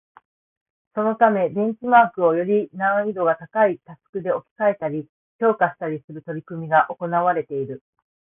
そのためベンチマークをより難易度が高いタスクで置き換えたり、強化したりする取り組みが行われている